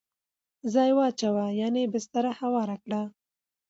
ځای واچوه ..یعنی بستره هواره کړه